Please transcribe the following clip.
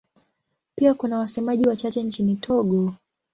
Pia kuna wasemaji wachache nchini Togo.